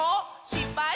しっぱい？